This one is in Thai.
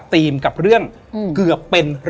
และยินดีต้อนรับทุกท่านเข้าสู่เดือนพฤษภาคมครับ